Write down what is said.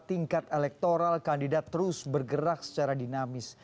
tingkat elektoral kandidat terus bergerak secara dinamis